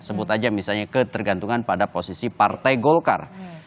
sebut aja misalnya ketergantungan pada posisi partai golkar